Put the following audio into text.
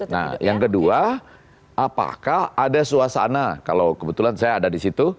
nah yang kedua apakah ada suasana kalau kebetulan saya ada di situ